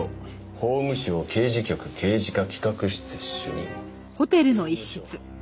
「法務省刑事局刑事課企画室主任」法務省？